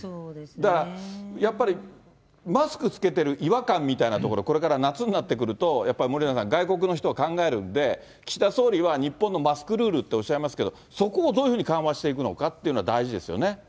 だからやっぱり、マスク着けてる違和感みたいなところ、これから夏になってくると、やっぱり森永さん、外国の人、考えるんで、岸田総理は日本のマスクルールっておっしゃいますけど、そこをどういうふうに緩和していくのかっていうのは大事ですよね。